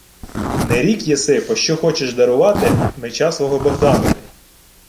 — Не рік єси, пощо хочеш дарувати меча свого Богданові.